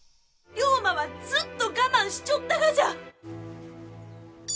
龍馬はずっと我慢しちょったがじゃ！